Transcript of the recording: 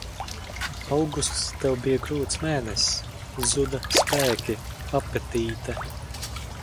Augusts Tev bija grūts mēnesis – zuda spēki, apetīte.